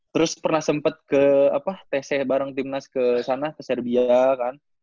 terus pernah sempet ke apa tse bareng tim nas kesana ke serbia kan